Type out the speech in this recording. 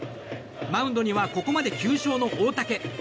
マウンドにはここまで９勝の大竹。